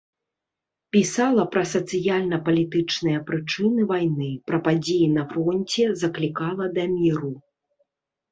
Пісала пра сацыяльна-палітычныя прычыны вайны, пра падзеі на фронце, заклікала да міру.